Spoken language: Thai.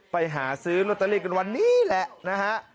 ไปหาซื้อลอตเตอรี่กันวันนี้แหละนะฮะ